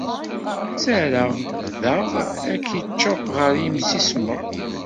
Ttarraɣ daɣ akičup ɣer yimsismeḍ.